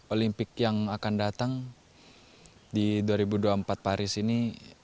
olimpik yang akan datang di dua ribu dua puluh empat paris ini